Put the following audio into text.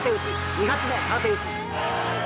２発目空手打ち。